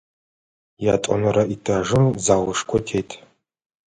Ятӏонэрэ этажым залышхо тет.